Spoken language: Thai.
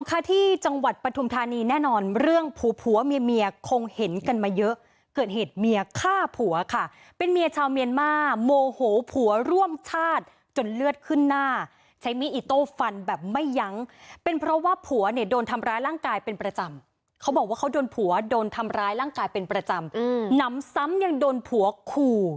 ค่ะที่จังหวัดปฐุมธานีแน่นอนเรื่องผัวผัวเมียเมียคงเห็นกันมาเยอะเกิดเหตุเมียฆ่าผัวค่ะเป็นเมียชาวเมียนมาโมโหผัวร่วมชาติจนเลือดขึ้นหน้าใช้มีดอิโต้ฟันแบบไม่ยั้งเป็นเพราะว่าผัวเนี่ยโดนทำร้ายร่างกายเป็นประจำเขาบอกว่าเขาโดนผัวโดนทำร้ายร่างกายเป็นประจำหนำซ้ำยังโดนผัวขู่